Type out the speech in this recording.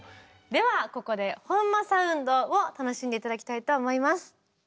ではここで本間サウンドを楽しんで頂きたいと思います。